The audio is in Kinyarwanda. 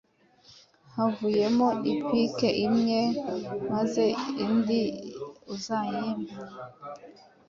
havuyemo ipiki imwe, maze indi uzayimpe